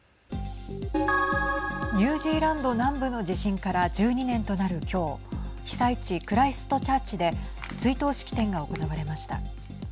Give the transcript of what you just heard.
ニュージーランド南部の地震から１２年となる今日被災地クライストチャーチで追悼式典が行われました。